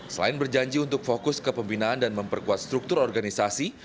selain berjanji untuk fokus ke pembinaan dan memperkuat struktur organisasi